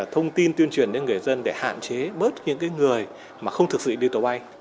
thông tin tuyên truyền đến người dân để hạn chế bớt những người không thực sự đi tổ bay